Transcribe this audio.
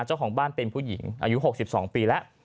เจ้าของบ้านเป็นผู้หญิงอายุ๖๒ปีแล้ว